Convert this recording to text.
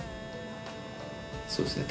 そうですね。